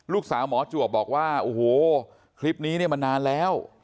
ลูกสาวหมอจวบบอกว่าโอ้โหคลิปนี้เนี่ยมันนานแล้ว